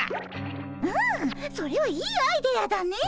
うんそれはいいアイデアだねえ。